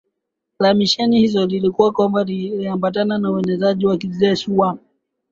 la misheni hizo lilikuwa kwamba liliambatana na uenezaji wa kijeshi wa